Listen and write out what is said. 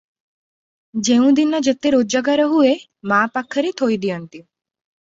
ଯେଉଁଦିନ ଯେତେ ରୋଜଗାର ହୁଏ, ମା ପାଖରେ ଥୋଇ ଦିଅନ୍ତି ।